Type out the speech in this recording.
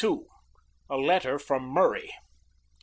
A LETTER FROM MURRAY.